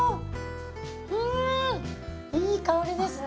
うんいい香りですね。